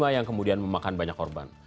yang kemudian memakan banyak korban